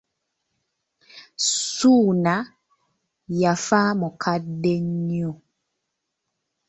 Ssuuna yafa mukadde nnyo.